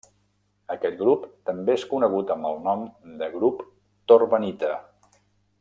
Aquest grup també és conegut amb el nom de grup torbernita.